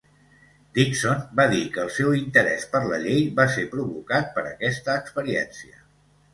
Dickson va dir que el seu interès per la llei va ser provocat per aquesta experiència.